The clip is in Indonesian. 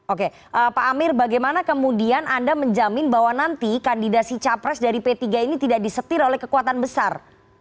oke pak amir bagaimana kemudian anda menjamin bahwa nanti kandidasi capres dari p tiga ini tidak disetir oleh kekuatan besar